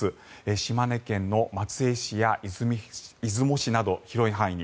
島根県松江市や出雲市など広い範囲に。